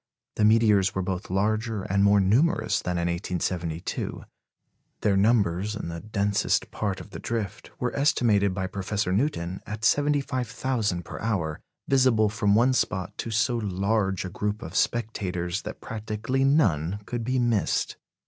The meteors were both larger and more numerous than in 1872. Their numbers in the densest part of the drift were estimated by Professor Newton at 75,000 per hour, visible from one spot to so large a group of spectators that practically none could be missed.